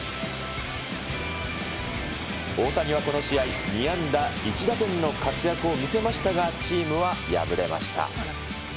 大谷はこの試合、２安打１打点の活躍を見せましたが、チームは敗れました。